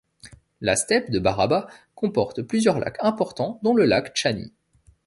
La steppe de Baraba comporte plusieurs lacs importants, dont le lac Tchany.